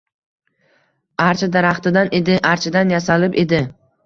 archa daraxtidan edi. Archadan yasalib edi.